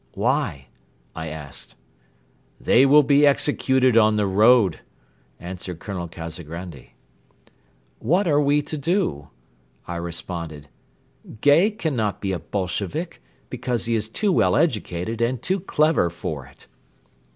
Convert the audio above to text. "Why?" I asked. "They will be executed on the road!" answered Colonel Kazagrandi. "What are we to do?" I responded. "Gay cannot be a Bolshevik, because he is too well educated and too clever for it."